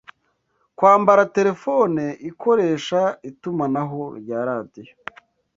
kwambara terefone ikoresha itumanaho rya radio